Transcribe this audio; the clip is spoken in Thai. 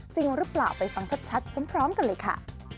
จริงหรือเปล่าไปฟังชัดพร้อมกันเลยค่ะ